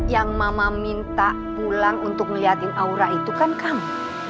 yang mama minta pulang untuk ngeliatin aura itu kan kamu